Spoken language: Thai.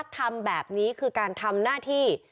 ทำแบบนี้คือการทำหน้าที่